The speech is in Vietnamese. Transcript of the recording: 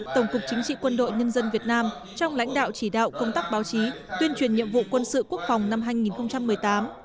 tổng cục chính trị quân đội nhân dân việt nam trong lãnh đạo chỉ đạo công tác báo chí tuyên truyền nhiệm vụ quân sự quốc phòng năm hai nghìn một mươi tám